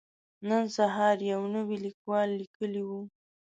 نن سهار يو نوي ليکوال ليکلي وو.